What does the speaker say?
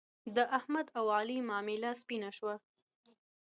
د احمد او علي معامله سپینه شوه.